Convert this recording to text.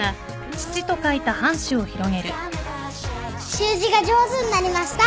習字が上手になりました。